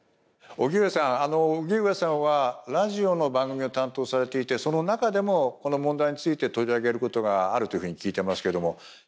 荻上さん荻上さんはラジオの番組を担当されていてその中でもこの問題について取り上げることがあるというふうに聞いてますけれども。